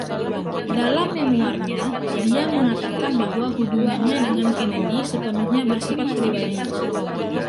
Dalam memoarnya, dia mengatakan bahwa hubungannya dengan Kennedy sepenuhnya bersifat pribadi.